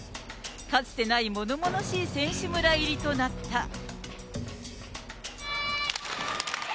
かつてないものものしい選手村入りとなった。